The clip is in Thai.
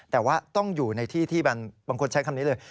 แต่ว่าต้องอยู่ในที่ที่บางคนใช้คำนี้เลย